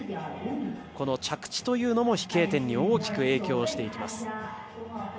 この着地というのも飛型点に大きく影響をしてきます。